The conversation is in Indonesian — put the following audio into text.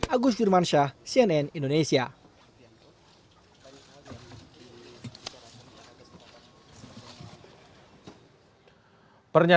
agus jurmansyah cnn indonesia